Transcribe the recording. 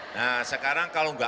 nah sekarang kalau enggak